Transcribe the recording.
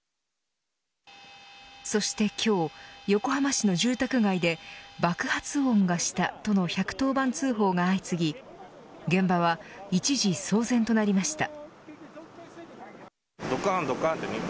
そして今日、横浜市の住宅街で爆発音がしたとの１１０番通報が相次ぎ現場は一時騒然となりました。